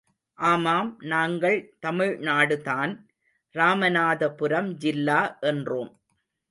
ஆமாம் நாங்கள் தமிழ்நாடுதான், ராமநாதபுரம் ஜில்லா என்றோம்.